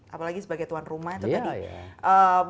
apalagi sebagai tuan rumah itu tadi